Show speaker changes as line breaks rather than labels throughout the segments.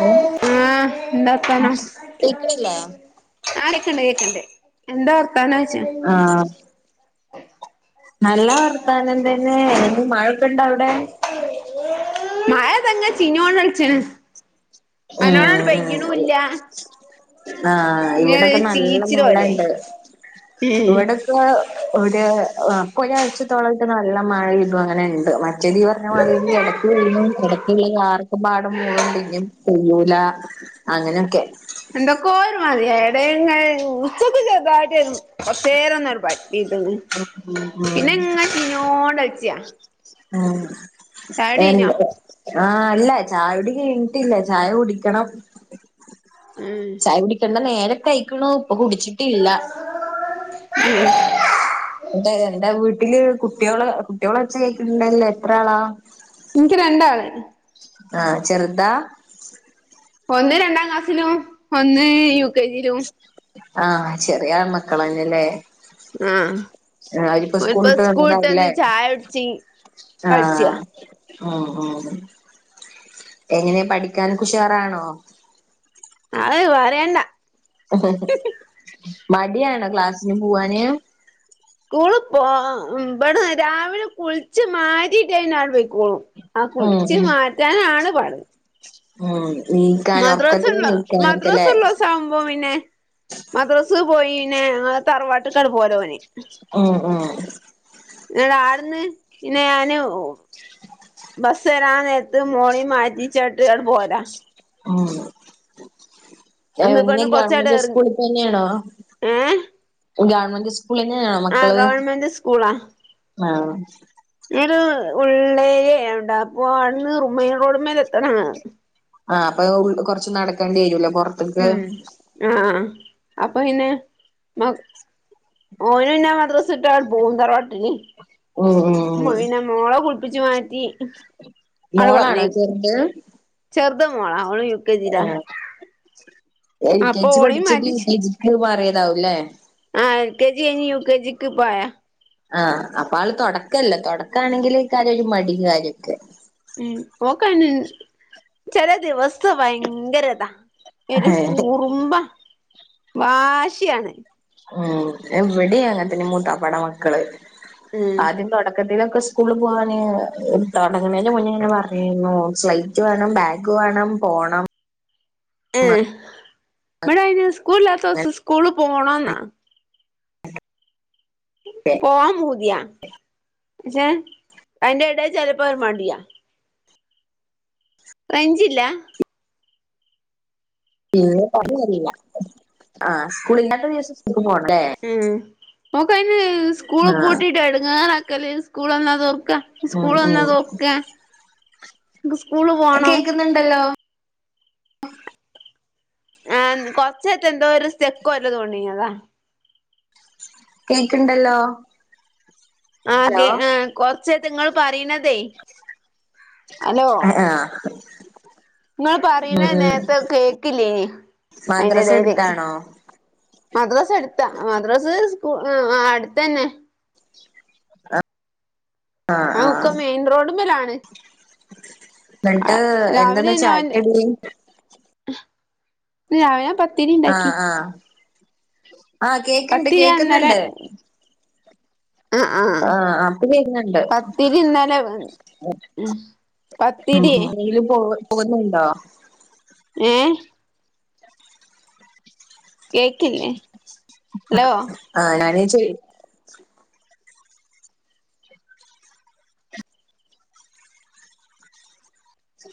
Hello
ഉം ന്താ വർത്താനം
കേക്ക്ണില്ലേ
ആഹ് കേക്ക്ണ്ട് കേക്ക്ണ്ട് എന്താ വർത്താനോയിച്ച
ആഹ് നല്ല വർത്താനം തെന്നെ എങ്ങനെ മഴൊക്കെണ്ടോ അവിടെ
മഴ തങ്ങ് ചീഞ്ഞോണ്ട് ഒലിച്ച്ണ് നല്ലോണം ആണ്ട് പൊയ്യുണും
ഉം
ല്ല
ആഹ് ഇവിടൊക്കെ നല്ല
ചീച്ചില് പോലെ
മഴണ്ട്
ഏഹ്
ഇവിടെക്കെ ഇവിടെ അ പ്പൊ ഒരാഴ്ചത്തോളായിട്ട് നല്ല മഴ ഇതും അങ്ങനെ ഉണ്ട് മറ്റേത് നീ പറഞ്ഞ മാതിരി ഇട [unintelligible] പെയ്യുല അങ്ങനോക്കെ
എന്തൊക്ക ഒര് മാരിയ എടെ [unintelligible] കൊറച്ചേരണ്ട്
ഉം
[unintelligible]
ഉം
പിന്നെങ്ങനെ ചീഞ്ഞോണ്ടൾച്ച
ആഹ് എൻ
കയിഞ്ഞോ
ആഹ് അല്ലാ ചായുടി കയിഞ്ഞിട്ടില്ല ചായ കുടിക്കണം
ഉം
കുടിക്കേണ്ടേ നേരക്കയിക്ക്ണു ഇപ്പൊ കുടിച്ചിട്ടില്ല
ഉം
[unintelligible] എന്റെ വീട്ടില് കുട്ടിയോള് കുട്ടിളേ ഒച്ചാ കേക്കാണ്ടല്ലോ എത്ര ആളാ
ഇൻക്ക് രണ്ടാള്
ആഹ് ചെറ്താ
ഒന്ന് രണ്ടാം ക്ലാസ്സിലും ഒന്ന് യു കെ ജിലും
ആഹ് ചെറിയ ആൺ മക്കള് അണ്ല്ലേ
ആഹ്
അര്പ്പം
ഓൽപ്പോ
സ്കൂളിട്ട് വന്നതാവുല്ലേ
സ്കൂള്ട്ടന്ന് ചായ കുടിച്ച് കളിച്ചാ
ആഹ് ഉം ഉം എങ്ങനെ പഠിക്കാനൊക്കെ ഉഷാറാണോ
അഹ് പറയേണ്ട
മടിയാണോ ക്ലാസിന് പൂവാന്
സ്കൂള് പോ ആ ഉം ഇബട്ന്ന് രാവിലെ കുളിച്ച് മാറ്റികിട്ടികയിഞ്ഞ ആണ്ട് പെയ്ക്കോളും ആ
ഉം
കുൾച്ച്
ഉം
മാറ്റാണ് പാട്
ഉം നീക്കാന്
മദ്രസ
ഒർക്കത്ത്ന്ന്
ഉള്ള മദ്രസ
നീക്കാനൊക്കെല്ലെ
ഉള്ള ദിവസം ആവുമ്പോ പിന്നെ മദ്രസ് പോയി പിന്നെ ഞങ്ങളെ തറവാട്ട്ക്കാണ്ട് പോയത ഓന്
ഉം ഉം
ന്നട്ട് ആട്ന്ന് പിന്നെ ഞാന് ഓ ബസ്സ് വെരാൻ നോരത്ത് മോളീം മാറ്റി ചാട്ട് ആണ്ട് പോയതാ
ഉം എഹ്
ഇന്നിപ്പോ
ങ്ങനെ
ഇന്ന് കൊറച്ചാട്
ഗവണ്മെന്റ്
എറങ്ങി
സ്കൂളി തന്നെയാണോ
ഏഹ്
ഗവൺമെന്റ് സ്കൂൾലെന്നെയേണോ
ആഹ്
മക്കള്
ഗവൺമെന്റ്
ആഹ്
ഇങ്ങ്നെ ഒരു ഉള്ളേരിയ ആയോണ്ടാ പ്പൊ ആട്ന്ന് റു മെയ്ൻ റോഡ്മ്മെല് നിർത്ത്ണാണാ
ആഹ് അപ്പൊ അഹ് ഉൾ കൊർച്ച് നടക്കെണ്ട്യെരുംല്ലെ കൊർ
ഉം ആഹ് അപ്പപിന്നെ മക് ഓന് പിന്നെ ആൺ മദ്രസ്ട്ടാ ആണ്ട് പോംവും തറവാട്ടില്
ഓന് [unintelligible]
മ്മ്ഹ് പിന്നെ മോളെ കുൾപ്പിച്ച് മാറ്റി അണ്ട്
മോളാണോ
പർഞ്ഞയ്
ചെറുത്
ചെർത് മോളാ ഓള് യു
ആഹ് എൽ കെ
അപ്പൊ
ജി
ഓളേം
പഠിച്ചിട്ട്
മാറ്റി
യു കെ ജിക്ക് മാറിയതാവുംല്ലേ
ആഹ് എൽ കെ ജി കയിഞ്ഞ് യു കെ ജിക്ക് പ്പ ആയാ
ആഹ് അപ്പ ആള് തൊടക്കല്ല തൊടക്കാണെങ്കില് എയ്ക്കാരം ഒര് മടിം കാര്യൊക്കെ
ഉം ഓക്കഅയ്ന് ചെലേ ദിവസം ഭയങ്കര ഇതാ ങ്ങനെഒരു കുറുംമ്പാ വാശിയാണ്
ഉം അഹ് ഇവടിം അങ്ങൻത്തെന്നെ മൂത്താപ്പാടെ മക്കള്
ഉം
ആദ്യം തൊടക്കത്തിലൊക്കെ സ് കൂൾള് പോകാന് തൊടങ്ങണേന്റെ മുന്നേ ഇങ്ങനെ പർഞ്ഞീന്നു സ്ലെയ്റ്റ് വേണം ബാഗ് വേണം പോണം
ഇഹ് ഇബടെ അയ്‌ന് സ്കൂള് ഇല്ലത്തോസം സ്കൂള് പോണംന്നാ
അങ്ങനൊക്കെ
പോവാൻ പൂത്യാ പക്ഷേ അയ്ൻ്റെ എടെ ചെൽപ്പൊ ഒര് മടിയാ റെയ്ഞ്ചില്ലാ
ഇങ്ങനെ [unintelligible] യില്ല ആഹ് സ്കൂള് ഇല്ലാത്ത ദിവസം സ്‌കൂൾക്ക് പോവണ്ടേ
ഉം മോക്ക് അയ്ന് സ്കൂള്
ആഹ്
പൂട്ടിയിട്ട് എടങ്ങേറ് ആക്കലെയ് സ്കൂള് എന്നാ തൊർക്കാ
ഉം
ഇസ്കൂള് എന്നാ
ഉം
തൊക്കാ
എഹ് കേക്ക്ന്ന്ണ്ടല്ലോ
ആഹ് ന്ന് കൊർച്ച് ആയ്ട്ട് എന്തോ ഒര് സ്റ്റെക്ക് പോലെ തോണി അതാ
കേക്ക്ണ്ടല്ലോ
ആഹ്
ഹലോ
കേ ആഹ് കൊർച്ചേര്ത്ത് ഇങ്ങള് പറീണതെയ്
അഹ് ആഹ്
ഇങ്ങള്
ഉം
പറീണെഹ്
ഉം
നേരത്തെ അഹ് കേക്ക്ല്ലേയ്നി
മദ്രസ
അയിന്റെഎടേല്
എടുത്താണോ
മദ്‌റസ് എട്ത്ത മദ്രസ് സ്കൂ ആഹ് അഹ് അട്ത്തെന്നെ ആഹ് ഉക്കം മെയ്ൻ റോഡ്മ്മലാണ്
ന്ന്ട്ട് എന്തണ് ചായക്കടി
ഇഹ് ഞായാമ്പ
ആഹ് ആഹ് ആഹ് കേക്ക്ണ്ട്
പത്തിരിയാ
കേക്ക്ന്ന്ണ്ട്
ഇന്നലെ
ആഹ് അഹ് ഇപ്പക്കേക്ക്ന്ന്ണ്ട്
പത്തിരി ഇന്നലെ
ആഹ്
ഉം
ആഹ്
പത്തിരി
ആഹ് ആരെങ്കിലും പോവ് പോര്ണ് ണ്ടോ
ഏഹ് കേക്കില്ലേ ഹലോ
അ ആ ഞാനേച്ചെ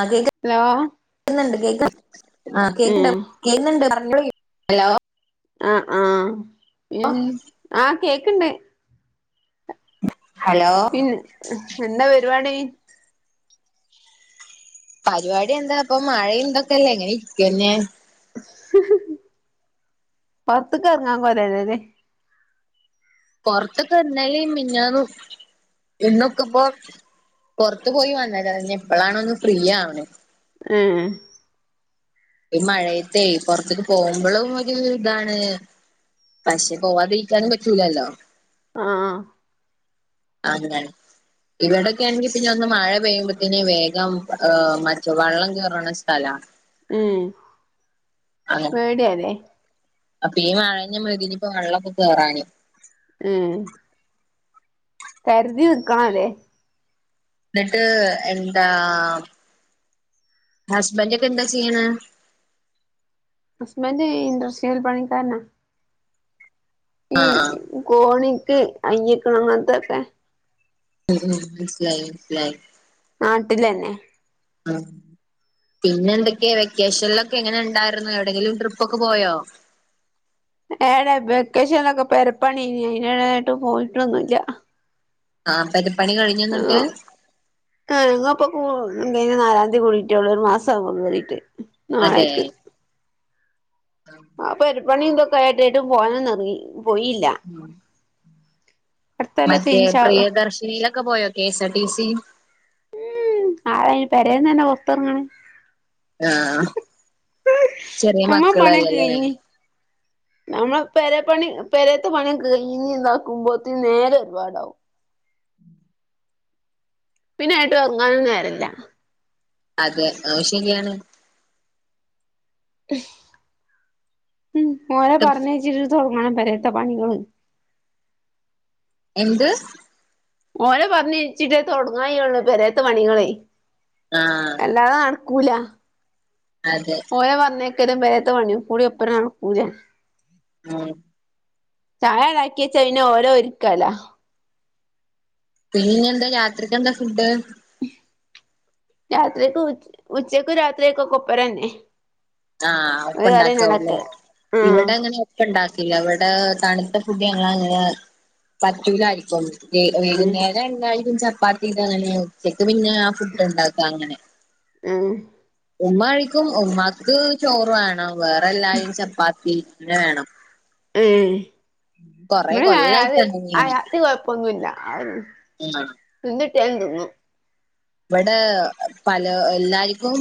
ആ കേക്ക്
ഹലോ
ക്ക്ന്ന്ണ്ട് കേക്ക് ആ കേക്ക്
ഉം
കേന്നുണ്ട് പറഞ്ഞോളി ഹലോ
അഹ് അഹ് ഉം അഹ് കേക്ക്ണ്ട്
ഹലോ
പിൻ എന്താ പരുപാടി
പര്വാടി എന്താ ഇപ്പൊ മഴ ന്തൊക്കെല്ലേ ഇങ്ങനെ ഇരിക്കന്നെ
പൊർത്ത്ക്കെറങ്ങാൻ [unintelligible]
പൊറത്ത്ക്ക് ഇന്നലേം മെഞ്ഞാന്നും ഇന്ന്ക്കുപ്പോ പൊറത്ത് പോയി വന്നതാ ഇഞ്ഞിപ്പളാണ് ഒന്ന് ഫ്രീ ആവണ്
ഏഹ്
ഈ മഴയത്തെ പൊറത്ത്ക്ക് പോവുമ്പളും ഒരു ഇതാണ് പക്ഷെ പോവാതിരിക്കാനും പറ്റൂലല്ലോ
ആഹ്
[unintelligible] ഇവിടൊക്കെ ആണെങ്കി പിന്നെ ഞങ്ങ മഴ പെയ്യുമ്പോത്തിന് വേഗം ഉം മറ്റു വെള്ളം കേറ്ണ സ്ഥലാ
ഉം
അങ്ങനെ
പേടിയാലേ
അപ്പൊ ഈ മഴഞ്ഞ [unintelligible] ഇപ്പൊ വെള്ളൊക്കെ കേറാന്
ഉം കര്തി നിക്കണം ല്ലേ
ന്നിട്ട് എന്താ ഹസ്ബൻറ്ക്കെ എന്താ ചെയ്യണേ
ഹസ്ബൻഡ് ഇണ്ടസ്ട്രിയൽ പണിക്കാരന ഈ
ആ ആ
കോണിക്ക് കൈയ്യക്ക്ണ അങ്ങനത്തൊക്കെ
ഉം ഉം നിസ്ലായി നിസ്ലായി
നാട്ടിലെന്നെ
ആഹ് പിന്നെ എന്തൊക്കെയാ വെക്കേഷൻലൊക്കെ എങ്ങനെ ണ്ടായിര്ന്ന് എവിടെങ്കിലും ട്രിപ്പൊകെ പോയോ
ഏടെ വെക്കേഷനൊക്കെ പെരപ്പണിയേനി അയിൻ്റെടെട്ടും പോയിട്ടൊന്നുല്ല
ആഹ് പെരിപ്പണി
ആഹ്
കഴിഞ്ഞുന്നിട്ട്
ആഹ് ഞങ്ങപ്പോ പോ [unintelligible] നാലാന്തി കൂടിട്ടേ ഉള്ളൂ ഒരു മാസ കേരിട്ട് നാളേക്ക്
അം
ആ പെരപ്പണി ഇതൊക്കെ ആയിട്ടെട്ടും പോകാനൊന്നും എർങ്ങി പോയില്ല
ഉം
അടുത്തൊല്ലൊക്കെ
മറ്റേ
ഇൻഷാ അള്ളാ
പ്രിയദർശിനീലൊക്കെ പോയോ കെഎസ് ആർ ടി സി
ഉം ആരായിന് പെരേന്നെന്നെ പൊർത്തെറങ്ങ്ണ്
അഹ് ചെറിയ
നമ്മളെ
മക്കളല്ലല്ലേ
നമ്മള് പെരപ്പണി പെരേത്തെ പണിയങ് കഴഞ്ഞിതാക്കുമ്പോത്തിന് നേരം ഒരുപാടാവും പിന്നെ ഏട്ടും എർങ്ങാനും നേരല്ല
അതെ അതും ശരിയാണ്
ഉം ഓരെ പറഞ്ഞയിച്ചിട്ട് തുടങ്ങണം പെരെത്ത പണികള്
എന്ത്
ഓരെ പറഞ്ഞച്ചിട്ടേ തുടങ്ങാൻകഴിയുള്ളു പെരെത്തെ പണികളേ
ആഹ്
അല്ലാതെ നടക്കൂല
അതെ
ഓരെ പറഞ്ഞയക്കലും പെരെത്തെ പണിയും കൂടി ഒപ്പരം നടക്കൂല
ആഹ്
ചായ ഇണ്ടാക്കിയെച്ച പിന്നെ ഓലെ ഒരുക്കല
ഇനിഞ്ഞെന്താ രാത്രിക്കെന്ത ഫുഡ്
രാത്രിക്കും ഉ ഉച്ചക്കും രാത്രിക്കൊക്കെ ഒപ്പരെന്നെ
ആഹ് ഒപ്പം ഉണ്ടാക്കാവു ല്ലേ
ആഹ്
ഇവിടെ അങ്ങനെ ഇപ്പം ഇണ്ടാക്കില്ല ഇവിടെ തണുത്ത ഫുഡ് ഞങ്ങളങ്ങനെ പറ്റൂലാര്ക്കും വെ
ഉം
വൈകുന്നേരം എന്തായാലും ചപ്പാത്തിയൊക്കെങ്ങനെ ഉച്ചക്ക് പിന്നെ ആ ഫുഡ് ഉണ്ടാക്ക അങ്ങനെ
ഉം
ഉമ്മ കഴിക്കും ഉമ്മാക്ക് ചോറ് വേണം വേറെ എല്ലാരും ചപ്പാത്തി തന്നെ വേണം
ഏഹ്
കൊറെ
ഇവിടെ അയാല്
കൊല്ലായിട്ടാണ് ഇങ്ങനെ
അയാത്തി കൊഴപ്പൊന്നുല്ല [unintelligible] എന്ത് ഇട്ടിയാലും തിന്നും
ഇവിടെ പലർ എല്ലാരിക്കും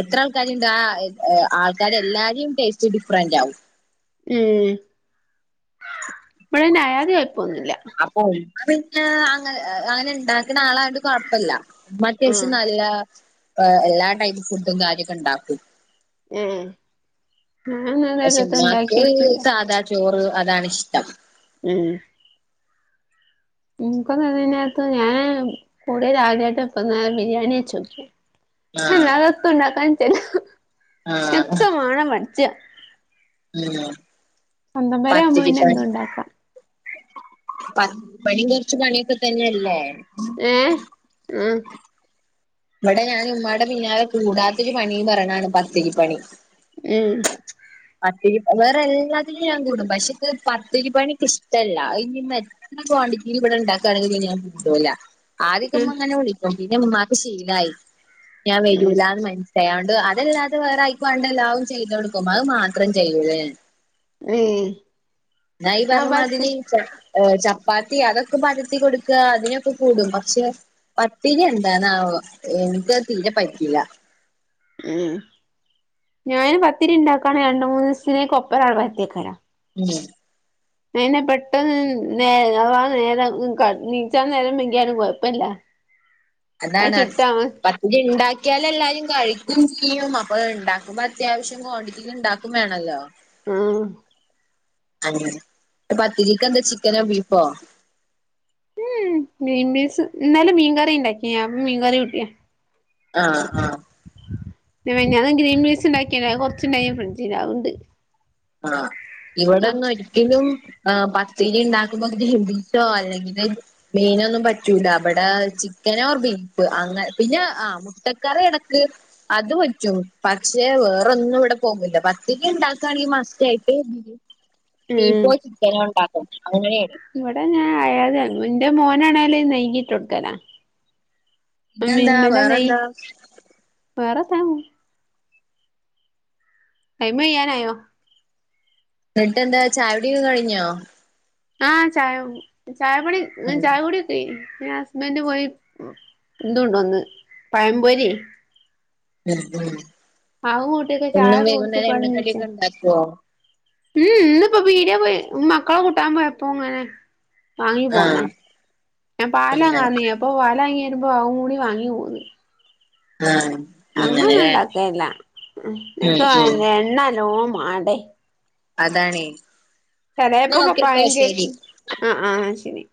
എത്ര ആൾക്കാര്ണ്ട് ആ ആൾക്കാര് എല്ലാരിം ടേസ്റ്റ് ഡിഫ്രന്റ് ആകും
ഉം ഇവിടെ പിന്നെ അയാതി കൊയപ്പോന്നുല്ല
അപ്പൊ ഓൽക്ക് പിന്നെ അന അങ്ങനെ ഇണ്ടാക്ക്ന്ന ആളായോണ്ട് കൊഴപ്പല്ല മത്യാവശ്യം
ആഹ്
നല്ല എ എല്ലാ ടൈപ്പ് ഫുഡും കാര്യൊക്കെ ഇണ്ടാക്കും
ഏഹ് ഞാൻ
പക്ഷെ
[unintelligible]
ഉമ്മാക്ക്
ഇണ്ടാക്കിയോക്കില്ല
സാധാ ചോറ് അതാണിഷ്ടം
ഉം ഇൻകു അത്‌ അതന്നെട്ത്തെ ഞാൻ കൂടിയേത് ആദ്യായിട്ടപ്പത് ബിരിയാണി കഴിച്ചു
ആഹ്
അല്ലാതെ എത്തും ഇണ്ടാക്കാൻ നിച്ചല്ല
ആഹ്
എത്തും മാണം പഠിച്ച
[unintelligible]
സ്വന്തം പേര ആവുമ്പോ
പത്തിരി
പിന്നെ
പൽ
എന്തും ഉണ്ടാക്കാം
പ പണി കൊറച്ച് പണിയൊക്കെ തന്നെയല്ലേ
ഏഹ് ഉം
ഇവടെ ഞാൻ ഇമ്മാടെ പിന്നാലെ കൂടാത്തൊരു പണി പറയണാണ് പത്തിരി പ്പണി
[unintelligible]
പത്തിരിപ്പണി വേറെ എല്ലാത്തിനും ഞാൻ കൂടും പക്ഷേ ഇത് പത്തിരിപണി ഇക്കി ഇഷ്ടല്ല. അത് ഇനി അത്ര കോണ്ടിറ്റീല് ഇവിടെ ഇണ്ടാക്കണെങ്കിൽ [unintelligible] ഞാൻ കൂട്ടുല്ല ആദ്യക്കെ
ഉം
ഇമ്മ ഇങ്ങനെ വിളിക്കും പിന്നെ ഇമ്മാക്ക് ശീലായി ഞാൻ
ഉം
വരൂലാന്ന് മന ചെയാണ്ട് അതല്ലാതെ വേറെ അയിക് വേണ്ട എല്ലാവും ചെയ്ത് കൊടുക്കും അത് മാത്രം ചെയ്യുല്ല ഞാൻ
ഉം
ഞാൻ ഈ പറഞ്ഞ മാതിരി ഏഹ് ചപ്പാത്തി അതൊക്കെ പരത്തി കൊടുക്ക അതിനൊക്കെ കൂടും പക്ഷെ പത്തിരി എന്താ ന്താവോ എനിക്കത് തീരെ പറ്റീല്ല
ഉം ഞാന് പത്തിരി ഇണ്ടാക്കാണെങ്കി രണ്ട് മൂന്നീസത്തിനേക്കൊപ്പരാ പരത്തി വെക്കല
ഉം
അയെന്നെ പെട്ടെന്ന് നേ ആ നേരം നീച്ചാ നേരം വെഗ്ഗിയാലും കൊഴപ്പല്ല
അതാണ് അത്
ചുട്ടാ മതി
പത് ഇത് ഇണ്ടാക്കിയാലല്ലാരിം കഴിക്കും ചെയ്യും അപ്പൊ ഇണ്ടാക്കുമ്പോ അത്യാവശ്യം ക്വാണ്ടിറ്റില് ഉണ്ടാക്കും വേണല്ലോ
ഉം
അതെ അത് പത്തിരിക്കെന്താ ചിക്കനോ ബീഫോ
ഉം ഗ്രീൻപീസ് ഇന്നാലും മീൻകറി ഇണ്ടാക്കി ഞാൻ മീൻകറി കൂട്ടിയാ
ആഹ് ആഹ്
പിന്നെ മിഞ്ഞാന്ന് ഗ്രീൻ പീസ് ഉണ്ടാക്കിന് അത് കുറച്ചുണ്ടായിന് ഫ്രിഡ്ജില് അത്ണ്ട്
ആഹ്ഇവിടൊന്നും ഒരിക്കലും ആഹ് പത്തിരി ഉണ്ടാക്കുമ്പോ ഗ്രീൻ പീസോ അല്ലെങ്കില് മീനൊന്നും പറ്റൂല വിടെ ചിക്കനൊ ഓർ ബീഫ് അങ്ങെ പിന്നെ ആ മുട്ടക്കറി എനക്ക് അത് പറ്റും പക്ഷെ വേറൊന്നും ഇവിടെ പോകില്ല പത്തിരി ഉണ്ടാക്കാണ് ഈ മ തീർച്ചയായിട്ട്
ഉം
ബീഫോ ചിക്കനോ ഉണ്ടാക്കും അങ്ങനെയാണ്
ഇവിടെ ഞാൻ അയാത എന്റെ മോനാണെങ്കില് നെയ്യിട്ട് കൊടുക്കലാ
പിന്നെന്താ
മിൽമന്റെ നെയ്യ്
വേറെന്താ
വേറെന്താ ടൈമ് കയ്യാനായോ
എന്നിട്ടെന്താ ചായുടിയൊക്കെ കഴിഞ്ഞോ
ആഹ് ചായ ചായ കുടി
ഉം
ചായ കുടി പിന്നെ ഹസ്ബൻഡ് പോയി എന്തുകൊണ്ടോന്ന് പഴംപൊരി അത് കൂട്ടിയൊക്കെ ചായ
എന്നും വൈകുന്നേരം
കുടിച്ചിട്ടാണ്
എണ്ണക്കടി
നീച്ചേ
ഒക്കെ ഉണ്ടാക്കുവോ
ഉം ഇന്നിപ്പോ പീടിയെ പോയി മക്കളെ കൂട്ടാൻ പോയപ്പോ ഇങ്ങനെ മാങ്ങി പോന്നാ
ആഹ്
ഞാൻ
അങ്ങനെ
പാലാങ്ങാന് പറഞ്ഞിന് അപ്പോൾ പാലാങ്ങി വരുമ്പോൾ അവും കൂടി വാങ്ങി ഇങ്ങ് പോന്നു
ആഹ് അങ്ങനെല്ലേ
അങ്ങൊന്നുംണ്ടാക്കല്ല
ഉം
നിക്ക്
ഉം
എണ്ണ നല്ലോം മാണ്ടേ
അതാണ്
ചെലെപ്പൊ പയ കേക്ക് ആഹ് ആഹ് ശരി